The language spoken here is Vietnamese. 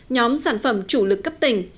nhóm sản phẩm chủ lực cấp tỉnh